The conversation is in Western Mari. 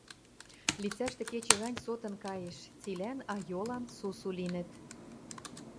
Лицӓштӹ кечӹ гань сотын каеш, цилӓн айолан сусу линӹт.